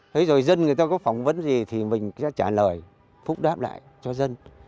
thế rồi dân người ta có phỏng vấn gì thì mình sẽ trả lời phúc đáp lại cho dân